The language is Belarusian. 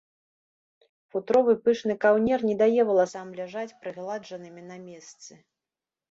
Футровы пышны каўнер не дае валасам ляжаць прыгладжанымі на месцы.